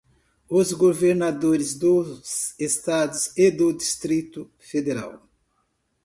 os governadores dos Estados e do Distrito Federal;